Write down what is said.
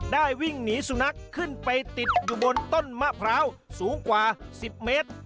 วิ่งหนีสุนัขขึ้นไปติดอยู่บนต้นมะพร้าวสูงกว่า๑๐เมตร